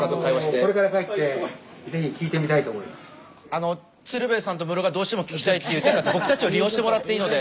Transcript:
これから帰って鶴瓶さんとムロがどうしても聞きたいって言ってたって僕たちを利用してもらっていいので。